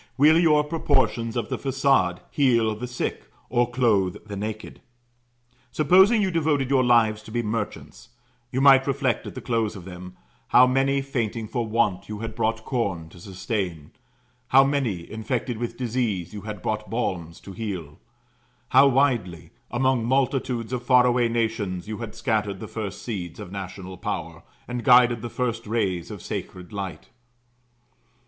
Will your proportions of the façade heal the sick, or clothe the naked? Supposing you devoted your lives to be merchants, you might reflect at the close of them, how many, fainting for want, you had brought corn to sustain; how many, infected with disease, you had brought balms to heal; how widely, among multitudes of far away nations, you had scattered the first seeds of national power, and guided the first rays of sacred light.